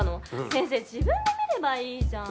先生自分で見ればいいじゃん！